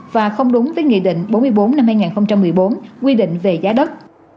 và không đúng với nghị định bốn mươi bốn năm hai nghìn một mươi bốn quy định về giá đất